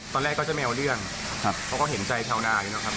ตอนแรกก็จะไม่เอาเรื่องครับเขาก็เห็นใจชาวนาอยู่แล้วครับ